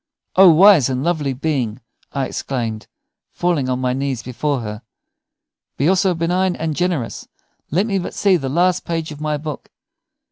"O wise and lovely being!" I exclaimed, falling on my knees before her, "be also benign and generous. Let me but see the last page of my book.